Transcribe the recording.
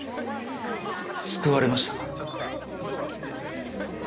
救われましたか？